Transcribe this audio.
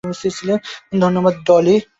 ধন্যবাদ, ডলি।